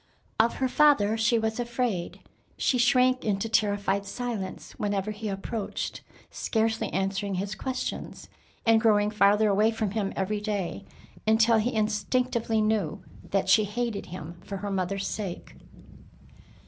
Of her father she was afraid. She shrank into terrified silence whenever he approached, scarcely answering his questions, and growing farther away from him every day, until he instinctively knew that she hated him for her mother's sake.